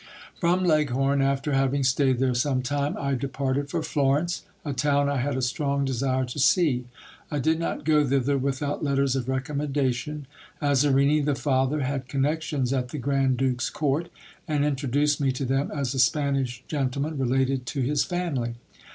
From Leghorn, after having staid there some time, I departed for Florence, a town I had a strong desire to see. I did not go thither without letters of recommendation. r Azarini the father had connections at the grand duke's court, and introduced me to them as a Spanish gentleman related to his family.